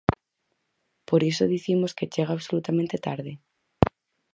Por iso dicimos que chega absolutamente tarde.